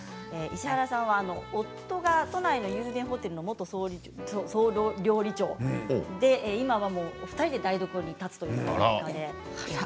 石原さんは夫が都内の有名ホテルの元総料理長で今はお二人で台所に立つということです。